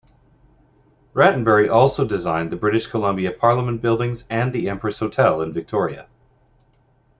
Rattenbury also designed the British Columbia Parliament Buildings and the Empress Hotel in Victoria.